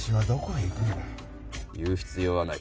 言う必要はない。